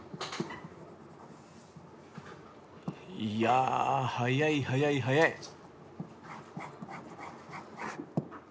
いや速い速い速い。